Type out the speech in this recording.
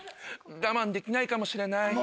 我慢できないかもしれない。